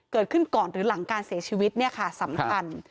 เกิดขึ้นก่อนหรือหลังการเสียชีวิตเนี่ยค่ะสำคัญ